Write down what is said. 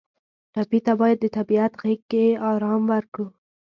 ټپي ته باید د طبیعت غېږ کې آرام ورکړو.